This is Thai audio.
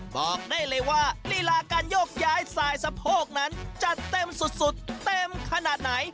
บอกได้เลยว่าลีลาการโยกย้ายสายสะโพกนั้นจัดเต็มสุดเต็มขนาดไหน